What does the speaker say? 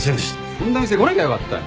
こんな店来なきゃよかったよ。